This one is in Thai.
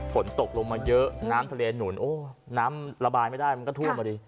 ฝนตกลงมาเยอะน้ำทะเลหนุนโอ้น้ำระบายไม่ได้มันก็ท่วมมาดิ